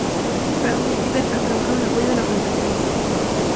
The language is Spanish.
Braun y Bieber han trabajado en apoyo de la organización.